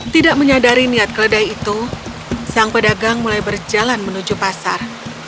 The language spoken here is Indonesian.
tidak menyadari niat keledai itu sang pedagang mulai berjalan menuju pasar